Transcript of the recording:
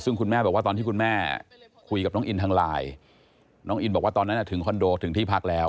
ซึ่งคุณแม่บอกว่าตอนที่คุณแม่คุยกับน้องอินทางไลน์น้องอินบอกว่าตอนนั้นถึงคอนโดถึงที่พักแล้ว